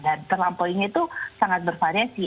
dan terlampauinya itu sangat bervariasi